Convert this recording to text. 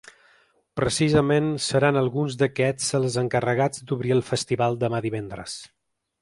Precisament seran alguns d’aquests els encarregats d’obrir el festival demà divendres.